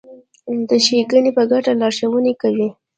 د ښېګڼې په ګټه لارښوونې کوي.